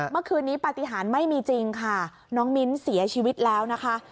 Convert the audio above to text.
เมื่อคืนนี้ปฏิหารไม่มีจริงค่ะน้องมิ้นเสียชีวิตแล้วนะคะ